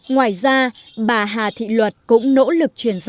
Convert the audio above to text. ngoài ra bà hà thị luật cũng nỗ lực truyền danh